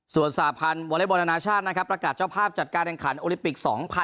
สวสาพันธ์วอเล็กบอลอาณาชาติประกาศเจ้าภาพจัดการแรงขันโอลิปิก๒๐๒๔